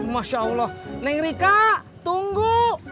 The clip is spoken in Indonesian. masya allah neng rika tunggu